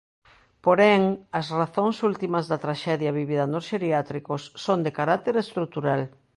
Porén, as razóns últimas da traxedia vivida nos xeriátricos son de carácter estrutural.